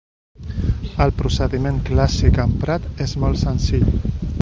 El procediment clàssic emprat és molt senzill.